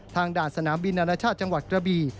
ด่านสนามบินอนาชาติจังหวัดกระบี